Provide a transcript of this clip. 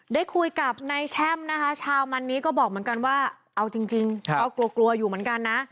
ได้คุยกับในแชมเช้ามานนี้นะบอกแล้วจริงกลัวอยู่นั้นกันนะ